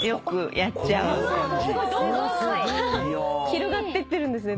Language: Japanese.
広がってってるんですね